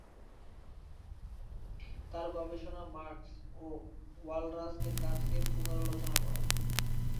তাঁর গবেষণা মার্ক্স ও ওয়ালরাস-এর কাজকে পুনরালোচনা করে।